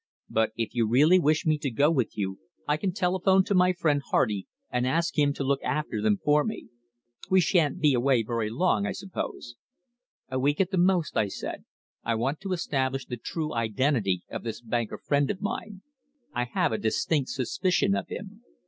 "But if you really wish me to go with you I can telephone to my friend Hardy and ask him to look after them for me. We shan't be away very long, I suppose?" "A week at the most," I said. "I want to establish the true identity of this banker friend of mine. I have a distinct suspicion of him."